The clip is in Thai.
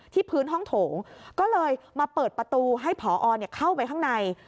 พื้นห้องโถงก็เลยมาเปิดประตูให้ผอเข้าไปข้างใน